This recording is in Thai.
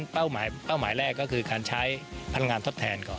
เพราะฉะนั้นเป้าหมายแรกก็คือการใช้พันธุ์งานทดแทนก่อน